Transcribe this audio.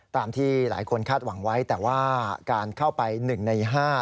ตามที่หลายคนคาดหวังไว้แต่ว่าการเข้าไป๑ใน๕